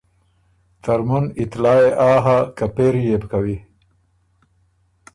ترمن ا اطلاع يې آ هۀ که پېری يې بو کوی۔